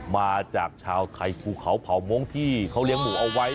มาจากชาวไทยภูเขาเผามงค์ที่เขาเลี้ยงหมูเอาไว้